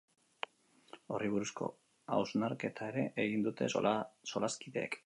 Horri buruzko haunsarketa ere egin dute solaskideek.